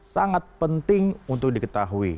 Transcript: sangat penting untuk diketahui